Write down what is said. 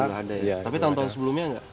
tapi tahun tahun sebelumnya enggak